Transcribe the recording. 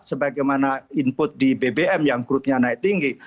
sebagaimana input di bbm yang crude nya naik tinggi